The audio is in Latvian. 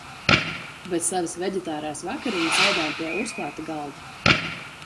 Bet savas veģitārās vakariņas ēdām pie uzklāta galda.